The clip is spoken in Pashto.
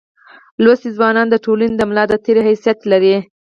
لوستي ځوانان دټولني دملا دتیر حیثیت لري.